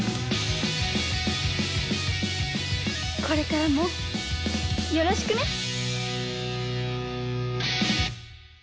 これからもよろしくね。